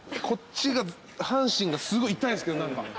こっちが半身がすごい痛いですけど。